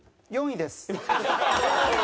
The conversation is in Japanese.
４位です。